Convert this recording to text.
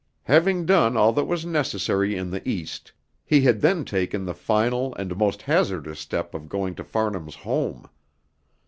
Having done all that was necessary in the east, he had then taken the final and most hazardous step of going to Farnham's home.